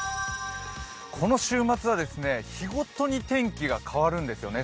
この週末は日ごとに天気が変わるんですよね。